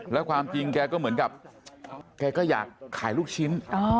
แล้วความจริงแกก็เหมือนกับแกก็อยากขายลูกชิ้น